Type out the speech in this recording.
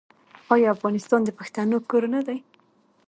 آیا افغانستان د پښتنو کور نه دی؟